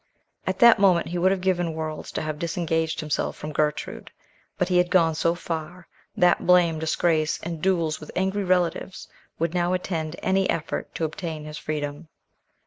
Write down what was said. At that moment he would have given worlds to have disengaged himself from Gertrude, but he had gone so far, that blame, disgrace, and duels with angry relatives would now attend any effort to obtain his freedom.